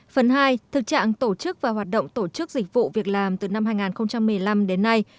phần hai thực trạng tổ chức và hoạt động tổ chức dịch vụ việc làm từ năm hai nghìn một mươi năm đến nay